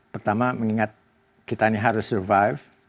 pertama mengingat kita ini harus survive